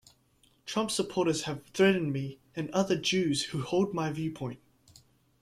Trump supporters have threatened me and other Jews who hold my viewpoint.